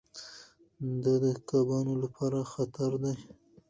دا د کبانو لپاره خطر دی.